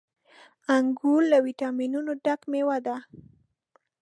• انګور له ويټامينونو ډک مېوه ده.